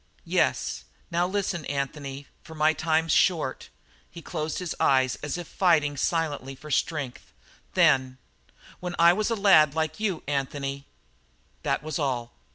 "Yes. Now listen, Anthony, for my time's short." He closed his eyes as if fighting silently for strength. Then: "When I was a lad like you, Anthony " That was all.